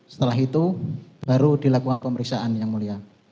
setelah itu baru dilakukan pemeriksaan yang mulia